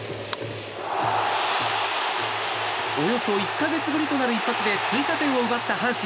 およそ１か月ぶりとなる一発で追加点を奪った阪神。